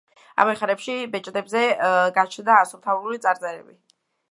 ამავე ხანებში ბეჭდებზე გაჩნდა ასომთავრული წარწერები.